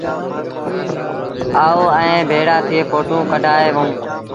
آئو ائيٚݩ ڀيڙآ ٿئي ڦوٽو ڪڍآئي وهو۔